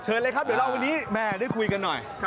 เลยครับเดี๋ยวเราวันนี้แม่ได้คุยกันหน่อย